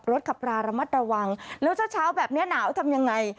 ขับราระมัดระวังแล้วเช้าเช้าแบบนี้หนาวทำยังไง